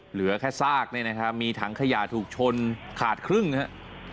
เหลือแค่ซากเนี่ยนะครับมีถังขยะถูกชนขาดครึ่งนะครับ